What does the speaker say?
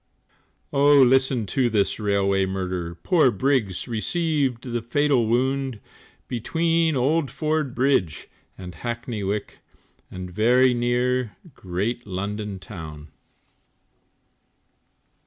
Oh, listen to this railway murder Poor Briggs received the fatal wound, Between Old Ford Bridge and Hackney Wick And very near great London town.